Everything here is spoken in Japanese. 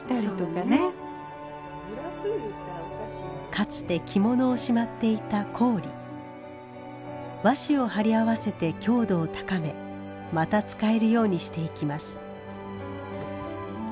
かつて着物をしまっていた和紙を貼り合わせて強度を高めまた使えるようにしていきます。